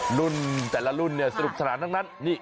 หลุ่นแล้วลุนเนี่ยศรุปศาลตั้งนั้น